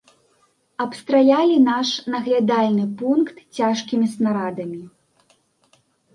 Абстралялі наш наглядальны пункт цяжкімі снарадамі.